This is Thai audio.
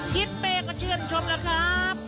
ทิศเป้ก็ชื่นชมแล้วครับ